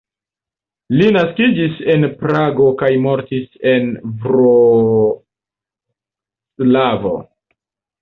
Li naskiĝis en Prago kaj mortis en Vroclavo.